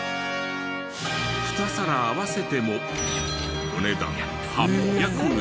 ２皿合わせてもお値段８００円。